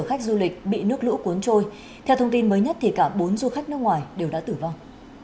khách du lịch bị nước lũ cuốn trôi theo thông tin mới nhất thì cả bốn du khách nước ngoài đều đã tử vong